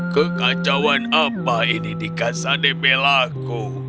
kekacauan apa ini di casa de bellaku